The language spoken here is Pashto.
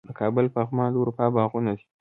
د کابل پغمان د اروپا باغونه دي